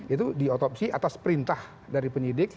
itu diotopsi atas perintah dari penyidik